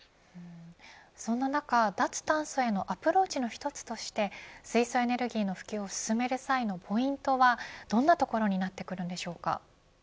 そんな中、脱炭素へのアプローチの一つとして水素エネルギーの普及を進める際のポイントはどんなところになってくるんでしょうか。